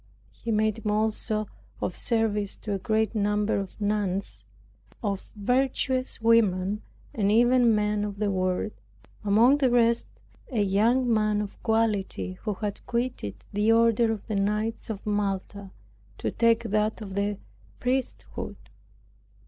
He made me also of service to a great number of nuns, of virtuous young women, and even men of the world; among the rest a young man of quality, who had quitted the order of the knights of Malta, to take that of the priesthood.